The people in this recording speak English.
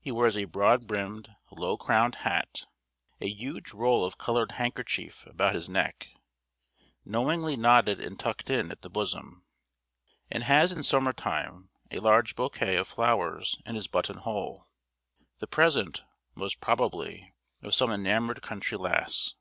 He wears a broad brimmed, low crowned hat; a huge roll of coloured handkerchief about his neck, knowingly knotted and tucked in at the bosom; and has in summer time a large bouquet of flowers in his button hole; the present, most probably, of some enamoured country lass.